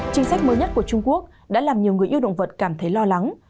chính sách mới nhất của trung quốc đã làm nhiều người yêu động vật cảm thấy lo lắng